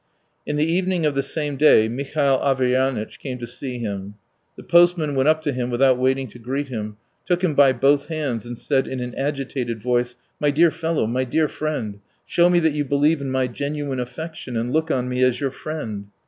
In the evening of the same day Mihail Averyanitch came to see him. The postmaster went up to him without waiting to greet him, took him by both hands, and said in an agitated voice: "My dear fellow, my dear friend, show me that you believe in my genuine affection and look on me as your friend!"